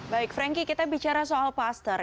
baik franky kita bicara soal pastor